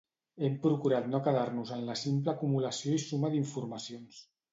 Hem procurat no quedar-nos en la simple acumulació i suma d'informacions